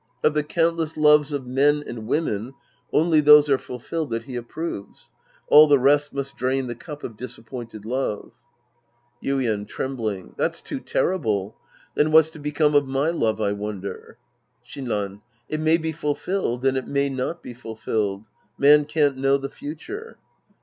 Of the countless loves of men and women, only those are fulfilled that he approves. All the rest must drain the cup of disappointed love. Yuieii {trembling). That's too terrible. Then Vi'hat's to become of my love, I wonder ? Shinran. It may be fulfilled and it may not be fulfilled. Man can't know the future.